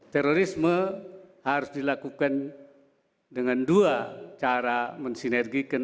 terorisme harus dilakukan dengan dua cara mensinergikan